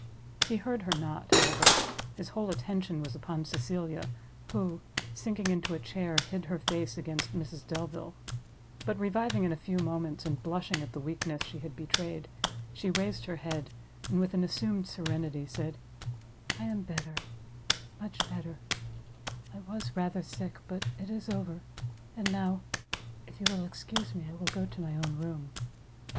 He heard her not, however; his whole attention was upon Cecilia, who, sinking into a chair, hid her face against Mrs Delvile: but, reviving in a few moments, and blushing at the weakness she had betrayed, she raised her head, and, with an assumed serenity, said, "I am better, much better, I was rather sick, but it is over; and now, if you will excuse me, I will go to my own room."